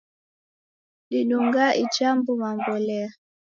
Didungaa ija mbuw'a mbolea.